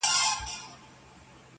یوې جگي گڼي وني ته سو پورته-